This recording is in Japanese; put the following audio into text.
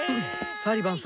サリバン様。